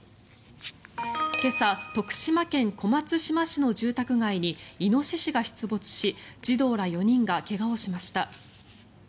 今朝、徳島県小松島市の住宅街にイノシシが出没し児童ら４人が怪我をしました。